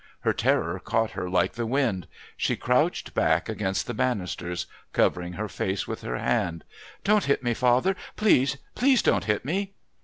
Her terror caught her like the wind. She crouched back against the bannisters, covering her face with her hand. "Don't hit me, father. Please, please don't hit me."